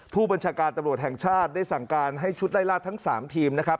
ผู้บัญชาการตำรวจแห่งชาติได้สั่งการให้ชุดไล่ลาดทั้ง๓ทีมนะครับ